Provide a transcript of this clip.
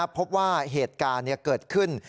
พบว่าเหตุการณ์เกิดขึ้น